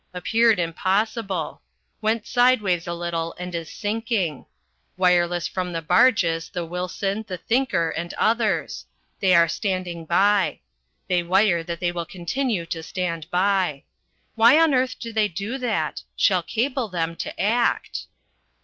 Appeared impossible. Went sideways a little and is sinking. Wireless from the barges the Wilson, the Thinker and others. They are standing by. They wire that they will continue to stand by. Why on earth do they do that? Shall cable them to act.